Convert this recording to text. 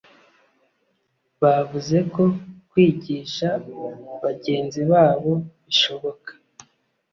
bavuze ko kwigisha bagenzi babo bishoboka